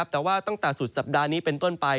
แต่ว่าตั้งแต่สุดสัปดาห์นี้เป็นต้นไป